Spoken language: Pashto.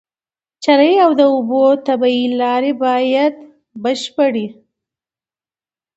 چرۍ او د اوبو طبيعي لاري بايد بشپړي